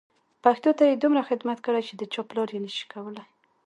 پښتو ته یې دومره خدمت کړی چې د چا پلار یې نه شي کولای.